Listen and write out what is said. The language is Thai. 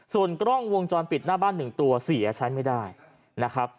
ส่วนกล้องวงจรปิดหน้าบ้าน๑ตัวเสียใช้ไม่ได้นะครับ